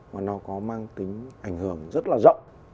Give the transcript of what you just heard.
mà nó có mang tính ảnh hưởng rất là rộng